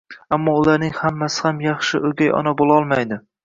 ammo ularning hammasi ham yaxshi o'gay ona bo'lolmaydi.